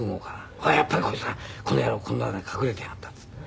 「ほらやっぱりこいつはこの野郎こんな穴に隠れていやがった」っていって。